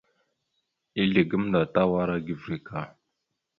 Izle gamnda Tawara givirek a.